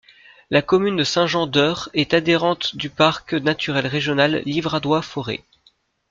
La commune de Saint-Jean-d'Heurs est adhérente du parc naturel régional Livradois-Forez.